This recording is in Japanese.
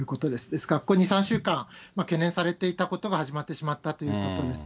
ですから、ここ２、３週間、懸念されていたことが始まってしまったということです。